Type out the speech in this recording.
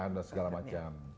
dan segala macam